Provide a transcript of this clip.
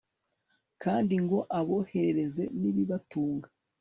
kandi ngo aboherereze n'ibibatunga